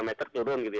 lima meter turun gitu ya